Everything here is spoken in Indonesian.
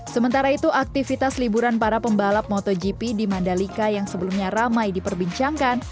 sementara itu aktivitas liburan para pembalap motogp di mandalika yang sebelumnya ramai diperbincangkan